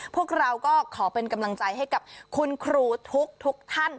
พวกเราก็ขอเป็นกำลังใจให้กับคุณครูทุกท่าน